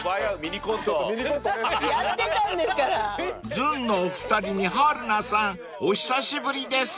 ［ずんのお二人に春菜さんお久しぶりです］